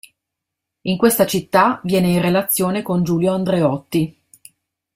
In questa città viene in relazione con Giulio Andreotti.